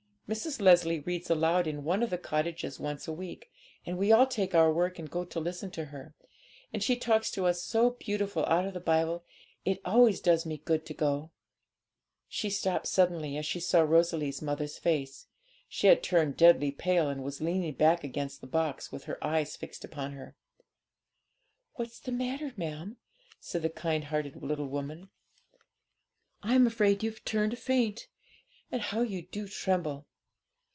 Mrs. Leslie reads aloud in one of the cottages once a week; and we all take our work and go to listen to her, and she talks to us so beautiful out of the Bible; it always does me good to go.' She stopped suddenly, as she saw Rosalie's mother's face. She had turned deadly pale, and was leaning back against the box with her eyes fixed upon her. 'What's the matter, ma'am?' said the kind hearted little woman. 'I'm afraid you've turned faint; and how you do tremble!